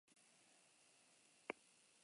Zuen ustetan zerk egiten gaitu zoriontsu?